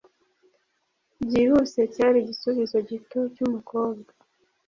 byihuse cyari igisubizo gito cyumukobwa,